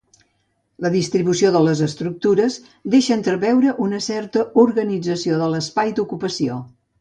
La distribució de les estructures deixa entreveure una certa organització de l’espai d’ocupació.